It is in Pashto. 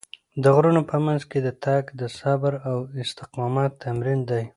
د غرونو په منځ کې تګ د صبر او استقامت تمرین دی.